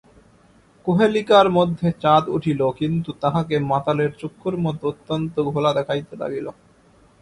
কুহেলিকার মধ্যে চাঁদ উঠিল, কিন্তু তাহাকে মাতালের চক্ষুর মতো অত্যন্ত ঘোলা দেখাইতে লাগিল।